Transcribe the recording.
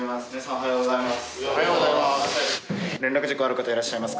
おはようございます。